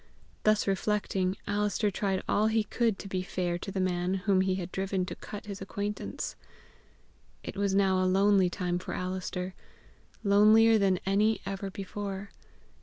Thus reflecting, Alister tried all he could to be fair to the man whom he had driven to cut his acquaintance. It was now a lonely time for Alister, lonelier than any ever before.